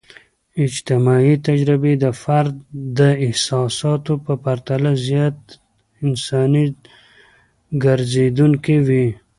اجتماعي تجربې د فرد د احساساتو په پرتله زیات انساني ګرځیدونکي وي.